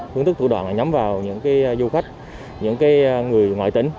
hướng thức thủ đoạn là nhắm vào những du khách những người ngoại tỉnh